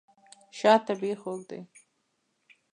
شات طبیعي خوږ دی.